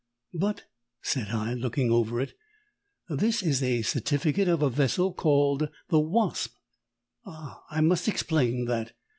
"But," said I, looking over it, "this is a certificate of a vessel called the Wasp." "Ah, I must explain that.